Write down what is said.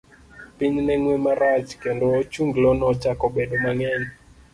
Piny ne ng'we marach, kendo ochunglo nochako bedo mang'eny.